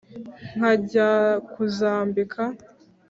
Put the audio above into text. nkajya kuzambika.